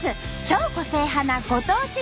超個性派なご当地